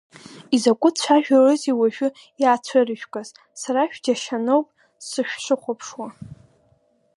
Изакәытә цәажәароузеи уажәы иаацәырыжәгаз, сара шәџьашьаноуп сышшәыхәаԥшуа.